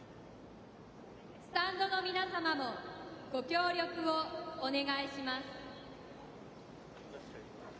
スタンドの皆様もご協力をお願いします。